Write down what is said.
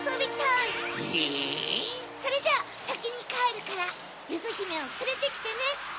それじゃあさきにかえるからゆずひめをつれてきてね。